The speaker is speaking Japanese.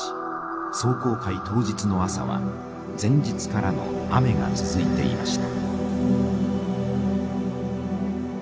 壮行会当日の朝は前日からの雨が続いていました。